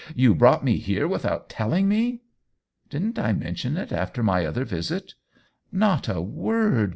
" You brought me here without telling me ?"" Didn't I mention it after my other visit ?" "Not a word.